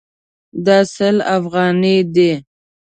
دا سل افغانۍ دي